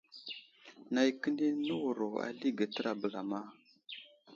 Nay kəni nəwuro alige tera bəlama.